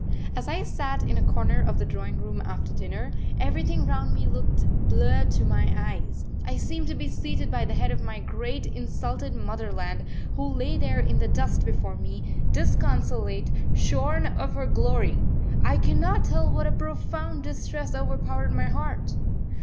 As I sat in a corner of the drawing room after dinner, everything round me looked blurred to my eyes. I seemed to be seated by the head of my great, insulted Motherland, who lay there in the dust before me, disconsolate, shorn of her glory. I cannot tell what a profound distress overpowered my heart.